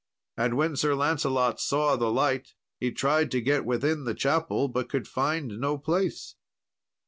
And when Sir Lancelot saw the light, he tried to get within the chapel, but could find no place.